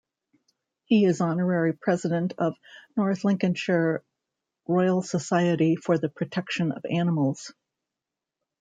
He is Honorary President of North Lincolnshire Royal Society for the Protection of Animals.